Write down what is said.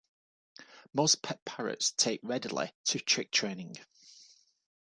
Most pet parrots take readily to trick training.